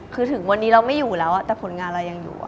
คือถึงวันนี้เราไม่อยู่แล้วแต่ผลงานเรายังอยู่